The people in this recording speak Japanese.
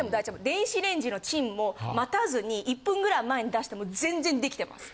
電子レンジのチンも待たずに１分ぐらい前に出してもぜんぜんできてます。